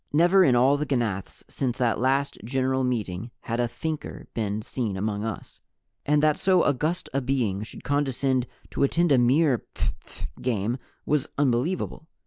Never in all the ganaths since that last General Meeting had a Thinker been seen among us, and that so august a being should condescend to attend a mere phph game was unbelievable.